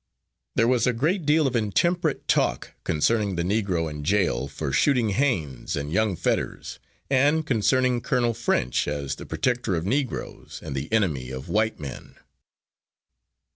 There was a great deal of intemperate talk, concerning the Negro in jail for shooting Haines and young Fetters, and concerning Colonel French as the protector of Negroes and the enemy of white men.